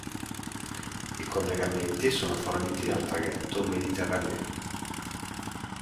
I collegamenti sono forniti dal traghetto "Méditerranée".